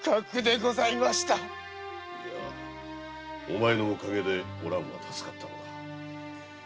お前のおかげでおらんは助かったのだ。